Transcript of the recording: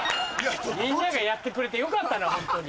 みんながやってくれてよかったなホントに。